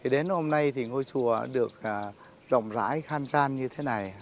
đến hôm nay ngôi chùa được rộng rãi khan tràn như thế này